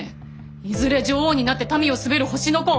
いずれ女王になって民を統べる星の子。